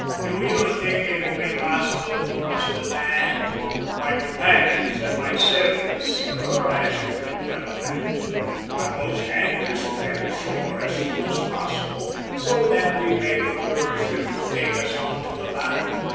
`Do you think it will be possible for us to land? My companions and myself, monsieur, as you can well imagine, are most anxious to get ashore as soon as possible, so that we may procure a ship to take us on to Havana.'